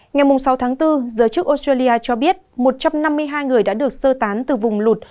ngày sáu tháng bốn giới chức australia cho biết một trăm năm mươi hai người đã được sơ tán từ vùng lụt